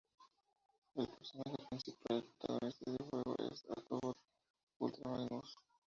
El personaje principal y protagonista del juego es el Autobot Ultra Magnus.